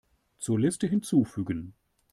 Zur Liste hinzufügen.